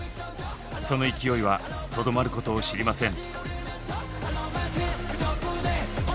その勢いはとどまることを知りません。